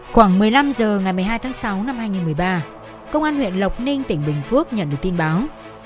khoảng một mươi năm h ngày một mươi hai tháng sáu năm hai nghìn một mươi ba công an huyện lộc ninh tỉnh bình phước nhận được tin báo